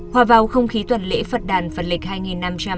hòa vào không khí tuần lễ phật đàn phật lịch hai nghìn năm trăm sáu mươi tám